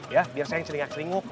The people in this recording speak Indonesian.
ya biar saya yang seringak ceringuk